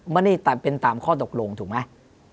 ไม่ได้เป็นตามข้อตกลงถูกไหม